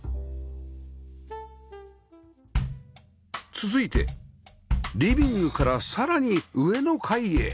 続いてリビングからさらに上の階へ